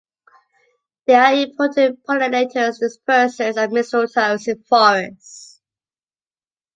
They are important pollinators and dispersers of mistletoes in forests.